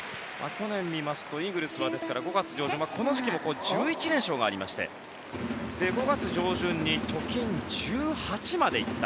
去年を見ますとイーグルスはこの時期も１１連勝がありまして５月上旬に貯金１８まで行った。